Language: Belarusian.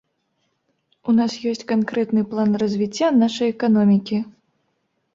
У нас ёсць канкрэтны план развіцця нашай эканомікі.